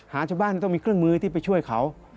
ชาวบ้านต้องมีเครื่องมือที่ไปช่วยเขา